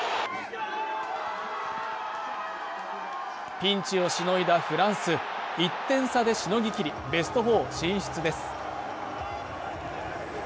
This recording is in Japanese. ピンチをしのいだフランス、１点差でしのぎ切り、ベスト４進出です。